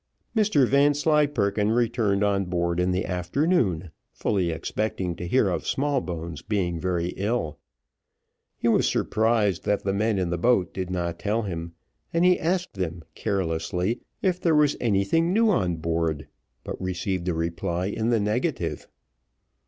Mr Vanslyperken returned on board in the afternoon, fully expecting to hear of Smallbones being very ill. He was surprised that the man in the boat did not tell him, and he asked them carelessly if there was anything new on board, but received a reply in the negative.